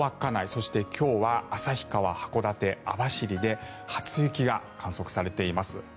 そして、今日は旭川、函館、網走で初雪が観測されています。